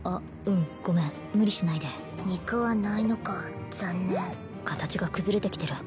うんごめん無理しないで肉はないのか残念形が崩れてきてる